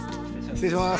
失礼します。